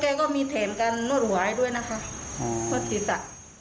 แล้วก็มีเทมกันรวดหวายด้วยนะคะ